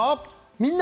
「みんな！